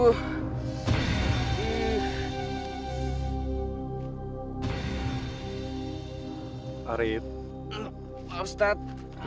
eh panggila everybody nyo mau ke kamar sebelah dan dibawah